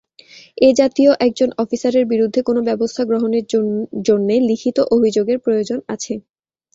এ জাতীয় একজন অফিসারের বিরুদ্ধে কোনো ব্যবস্থা গ্রহণের জন্যে লিখিত অভিযোগের প্রয়োজন আছে।